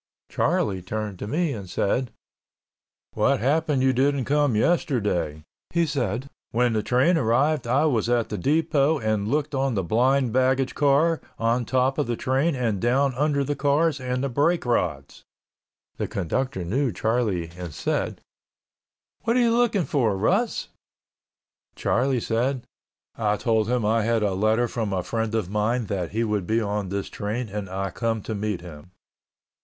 Charlie turned to me and said, "What happened you didn't come yesterday?" He said, "When the train arrived I was at the depot and looked on the blind baggage car, on top of the train and down under the cars and the brake rods." The conductor knew Charlie and said, "What are you looking for, Russ?" Charlie said, "I told him I had a letter from a friend of mine that he would be on this train and I come to meet him."